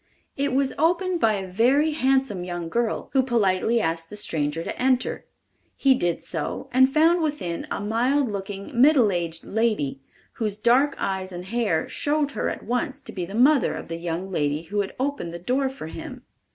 It was opened by a very handsome young girl, who politely asked the stranger to enter. He did so and found within a mild looking, middle aged lady, whose dark eyes and hair showed her at once to be the mother of the young lady who had opened the door for him.